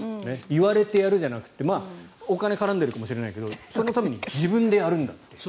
言われてやるじゃなくてお金が絡んでるかもしれないけどそのために自分でやるんだと。